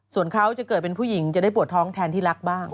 ส่วนเขาจะเกิดเป็นผู้หญิงจะได้ปวดท้องแทนที่รักบ้าง